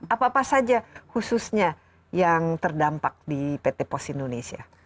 apa apa saja khususnya yang terdampak di pt pos indonesia